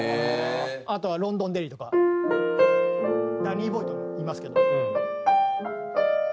あとは『ロンドンデリー』とか『ダニーボーイ』ともいいますけど。